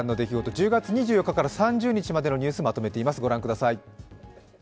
１０月２４日から３０日までのニュースまとめています。